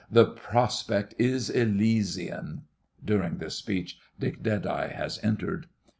The prospect is Elysian. (During this speech DICK DEADEYE has entered.)